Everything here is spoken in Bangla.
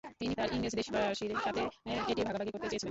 তিনি তার ইংরেজ দেশবাসীর সাথে এটি ভাগাভাগি করতে চেয়েছিলেন।